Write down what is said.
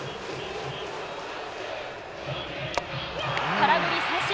空振り三振！